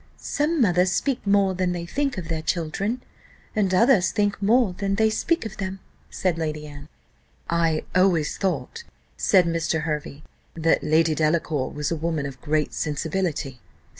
"Some mothers speak more than they think of their children, and others think more than they speak of them," said Lady Anne. "I always thought," said Mr. Hervey, "that Lady Delacour was a woman of great sensibility."